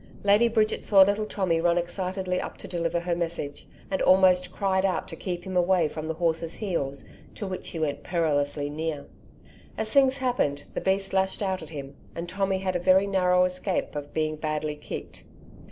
Lady Bridget saw little Tommy run excitedly up to deliver her message, and almost cried out to him to keep away from the horses' heels, to which he went perilously near. As things happened, the beast lashed out at him, and Tommy had a very narrow escape of being badly kicked.